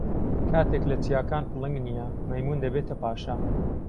کاتێک لە چیاکان پڵنگ نییە، مەیموون دەبێتە پاشا.